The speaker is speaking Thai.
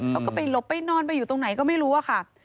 เขาก็ไปหลบไปนอนไปอยู่ตรงไหนก็ไม่รู้อะค่ะ